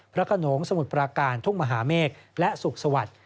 ขนงสมุทรปราการทุ่งมหาเมฆและสุขสวัสดิ์